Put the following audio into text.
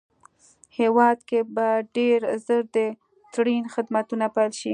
هېواد کې به ډېر زر د ټرېن خدمتونه پېل شي